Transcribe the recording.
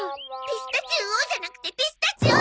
「ピスタチウオ」じゃなくて「ピスタチオ」！